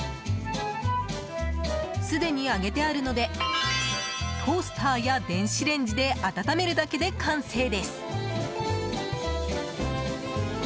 すでに揚げてあるのでトースターや電子レンジで温めるだけで完成です。